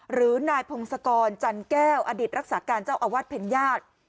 หรือนายพงศกรจันแก้วอดิษฐ์รักษาการเจ้าอาวาสเพญญาติ